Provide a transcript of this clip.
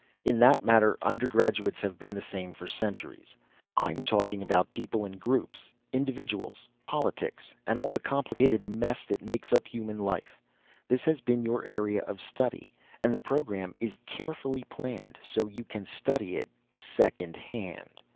In that matter undergraduates have been the same for centuries. I'm talking about people in groups, individuals, politics, and all the complicated mess that makes up human life. This has been your area of study and the program is carefully planned so you can study it secondhand.